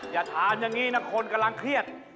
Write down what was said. อย่าทานอย่างนี้นะคนกำลังเครียด